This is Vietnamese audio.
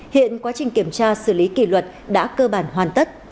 hiện quá trình kiểm tra xử lý kỷ luật đã cơ bản hoàn tất